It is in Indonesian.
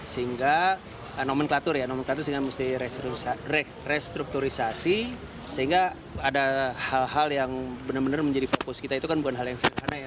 sehingga nomenklatur ya nomenklatur sehingga mesti restrukturisasi sehingga ada hal hal yang benar benar menjadi fokus kita itu kan bukan hal yang sederhana ya